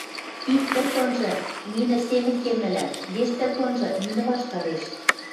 Ик тӹр донжы нинӹ семӹнь кемӹлӓ, вес тӹр донжы – нинӹ ваштареш.